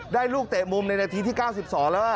ลูกเตะมุมในนาทีที่๙๒แล้ว